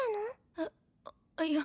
えっ？いや。